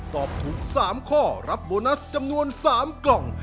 ตอบถูก๓ข้อรับโบนัสจำนวน๓กล่อง